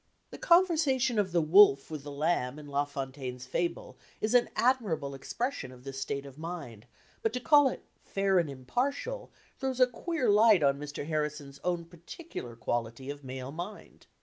The conversation of the wolf with the lamb in La Fontaine's fable is an admirable expression of this state of mind, but to call it "fair and impartial" throws a queer light on Mr. Harrison's own particular quality of male mind.